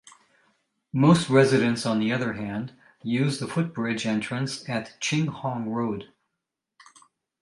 Most residents on the other hand use the footbridge entrance at Ching Hong Road.